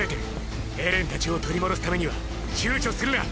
エレンたちを取り戻すためには躊躇するな。